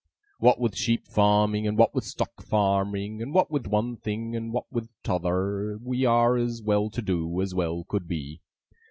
What with sheep farming, and what with stock farming, and what with one thing and what with t'other, we are as well to do, as well could be.